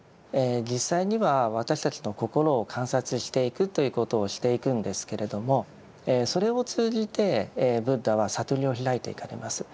実際には私たちの心を観察していくということをしていくんですけれどもそれを通じてブッダは悟りを開いていかれます。